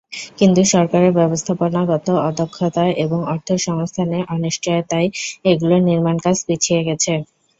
কিন্তু সরকারের ব্যবস্থাপনাগত অদক্ষতা এবং অর্থ সংস্থানে অনিশ্চয়তায় এগুলোর নির্মাণকাজ পিছিয়ে গেছে।